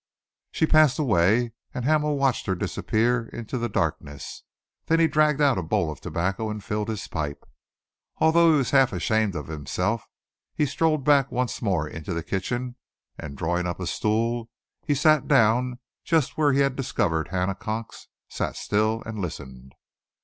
She passed away, and Hamel watched her disappear into the darkness. Then he dragged out a bowl of tobacco and filled a pipe. Although he was half ashamed of himself, he strolled back once more into the kitchen, and, drawing up a stool, he sat down just where he had discovered Hannah Cox, sat still and listened.